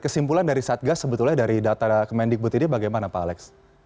kesimpulan dari satgas sebetulnya dari data kemendikbud ini bagaimana pak alex